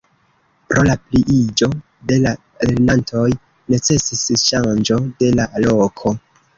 Pro la pliiĝo de la lernantoj necesis ŝanĝo de la loko.